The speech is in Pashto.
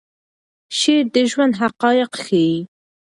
شعر د ژوند حقایق ښیي.